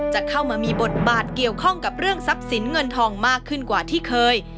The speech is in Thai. จะเข้ามามีบทบาทเกี่ยวข้องกับเรื่องทรัพย์สินเงินทองมากขึ้นกว่าที่เคย